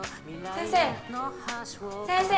先生！